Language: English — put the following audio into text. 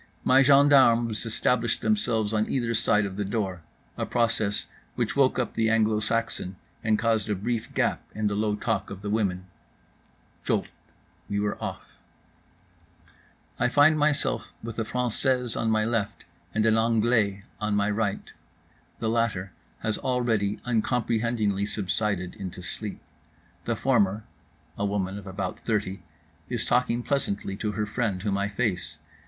My gendarmes established themselves on either side of the door, a process which woke up the Anglo Saxon and caused a brief gap in the low talk of the women. Jolt—we were off. I find myself with a française on my left and an anglais on my right. The latter has already uncomprehendingly subsided into sleep. The former (a woman of about thirty) is talking pleasantly to her friend, whom I face.